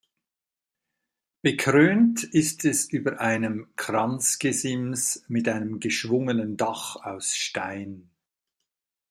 Bekrönt ist es über einem Kranzgesims mit einem geschwungenen Dach aus Stein.